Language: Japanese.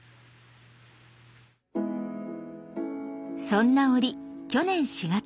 そんな折去年４月。